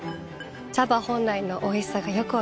茶葉本来のおいしさがよく分かります。